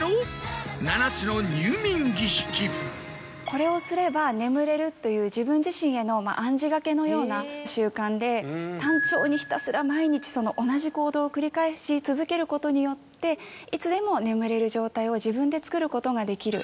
これをすれば眠れるという自分自身への暗示がけのような習慣で単調にひたすら毎日同じ行動を繰り返し続けることによっていつでも眠れる状態を自分でつくることができる。